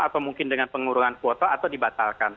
atau mungkin dengan pengurangan kuota atau dibatalkan